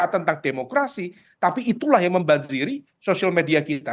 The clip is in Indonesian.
tentang demokrasi tapi itulah yang membanziri sosial media kita